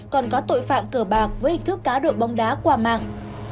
còn có tội phạm cờ bạc với hình thức cá lộ bong đá qua mạng